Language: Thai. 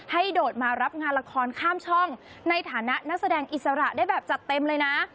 โดดมารับงานละครข้ามช่องในฐานะนักแสดงอิสระได้แบบจัดเต็มเลยนะ